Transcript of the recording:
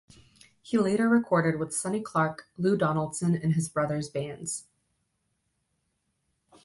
He later recorded with Sonny Clark, Lou Donaldson, and his brother's bands.